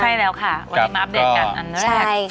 ใช่แล้วค่ะวันนี้มาอัปเดตกันอันแรก